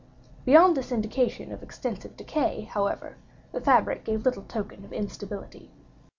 Beyond this indication of extensive decay, however, the fabric gave little token of instability.